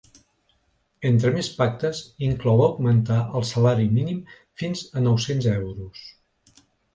Entre més pactes, inclou augmentar el salari mínim fins a nou-cents euros.